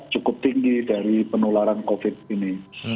cukup tinggi dari penularan covid ini